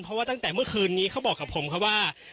เพราะว่าตั้งแต่เมื่อคืนนี้เขาบอกกับผมครับว่า